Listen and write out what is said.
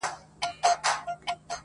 گراني په دې ياغي سيتار راته خبري کوه~